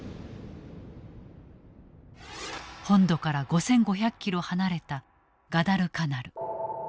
本土から５，５００キロ離れたガダルカナル。